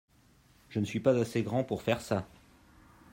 je ne suis pas assez grand pour faire ça.